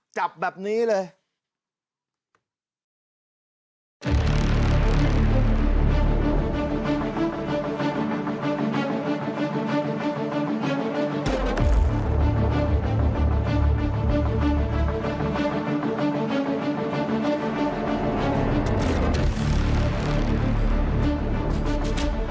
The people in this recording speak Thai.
จับแบบนี้เลย